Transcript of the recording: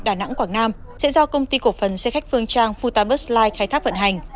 đà nẵng quảng nam sẽ do công ty cổ phần xe khách phương trang futabus life khai thác vận hành